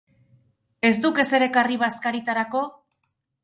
Ez duk ezer ekarri bazkaritarako?.